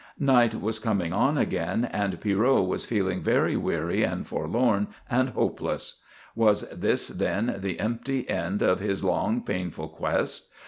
Night was coming on again, and Pierrot was feeling very weary and forlorn and hopeless. Was this, then, the empty end of his long, painful quest?